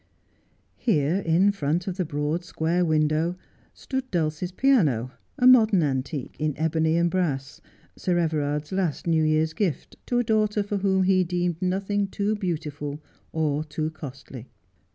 Here, in front of the broad square window, stood Dulcie's piano, a modern antique in ebony and brass, Sir Everard's last New Year's gift to a daughter for whom he deemed nothing too beautiful or too costly.